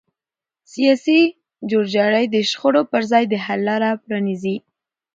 سیاسي جوړجاړی د شخړو پر ځای د حل لاره پرانیزي